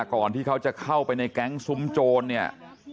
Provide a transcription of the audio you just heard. ก่อนที่เขาจะเข้าไปในแก๊งซุ้มโจรเนี่ย